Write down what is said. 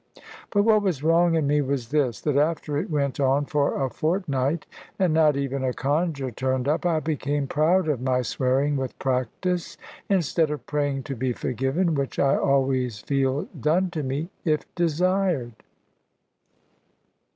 But what was wrong in me was this, that after it went on for a fortnight, and not even a conger turned up, I became proud of my swearing with practice, instead of praying to be forgiven, which I always feel done to me, if desired.